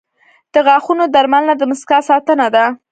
• د غاښونو درملنه د مسکا ساتنه ده.